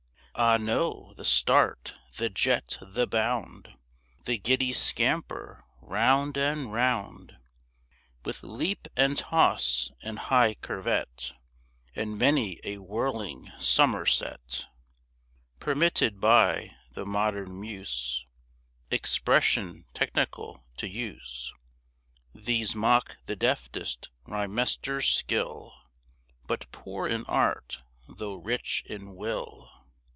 Ah, no! the start, the jet, the bound, The giddy scamper round and round, With leap and toss and high curvet, And many a whirling somerset, (Permitted by the modern muse Expression technical to use) These mock the deftest rhymester's skill, But poor in art, though rich in will.